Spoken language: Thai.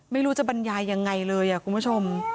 ไม่รู้จะบรรยายยังไงเลยคุณผู้ชม